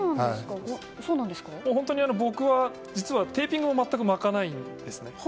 本当に僕は実はテーピングを全く巻かないんですね。